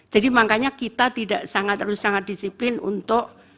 jadi makanya kita tidak harus sangat disiplin untuk